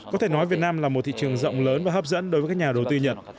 có thể nói việt nam là một thị trường rộng lớn và hấp dẫn đối với các nhà đầu tư nhật